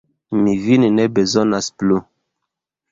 Mi vin ne bezonas plu.